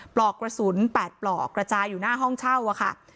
ปลอกกระสุน๘ปลอกกระจายอยู่หน้าห้องเช่าค่ะ